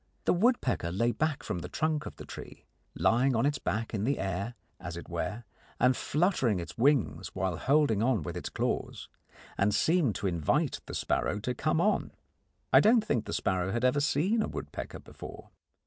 The woodpecker lay back from the trunk of the tree lying on its back in the air, as it were, and fluttering its wings while holding on with its claws and seemed to invite the sparrow to come on. I don't think the sparrow had ever seen a woodpecker before.